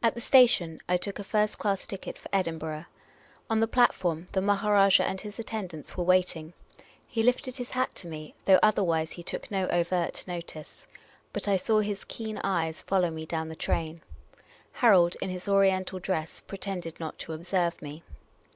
At the station I took a first class ticket for Edinburgh. On the platform, the Maharajah and his attendants were waiting. He lifted his hat to me, though otherwise he took no overt notice. But I saw his keen eyes follow me down the train. Harold, in his Oriental dress, pretended not to observe me.